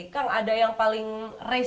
kang ada yang paling race